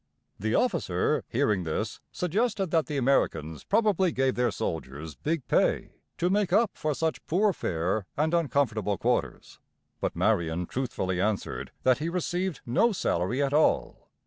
] The officer, hearing this, suggested that the Americans probably gave their soldiers big pay to make up for such poor fare and uncomfortable quarters. But Marion truthfully answered that he received no salary at all.